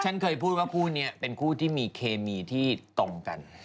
ฉันเคยพูดว่าผู้นี้มีเคมีที่ตรงกัน